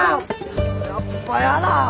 やっぱやだ！